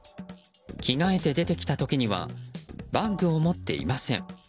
着替えて出てきた時にはバッグを持っていません。